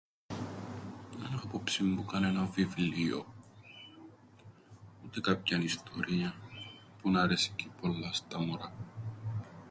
Εν έχω υπόψην μου κανέναν βιβλίον, ούτε κάποιαν ιστορίαν που να αρέσκει πολλά στα μωρά.